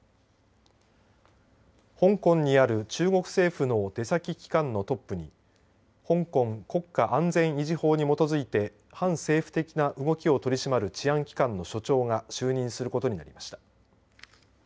香港にある中国政府の出先機関のトップに香港国家安全維持法に基づいて反政府的な動きを取り締まる治安機関に就任することになりました。